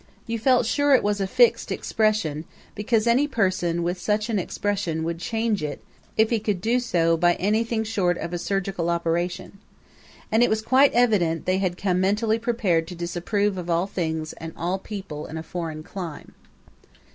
You felt sure it was a fixed expression because any person with such an expression would change it if he could do so by anything short of a surgical operation. And it was quite evident they had come mentally prepared to disapprove of all things and all people in a foreign clime.